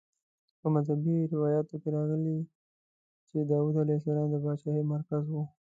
په مذهبي روایاتو کې راغلي چې د داود علیه السلام د پاچاهۍ مرکز وه.